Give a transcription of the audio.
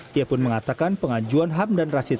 dia pun mengatakan pengajuan hamdan rashid